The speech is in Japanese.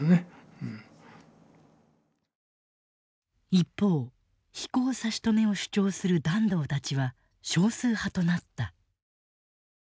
一方飛行差し止めを主張する團藤たちは少数派となった。